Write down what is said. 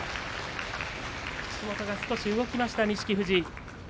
口元が少し動きました錦富士。